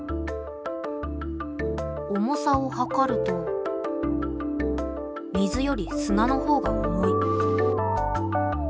重さを量ると水より砂の方が重い。